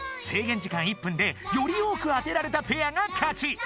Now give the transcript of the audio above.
制限時間１分でより多く当てられたペアがかち。